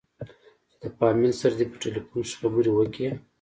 چې د فاميل سره دې په ټېلفون کښې خبرې وکې.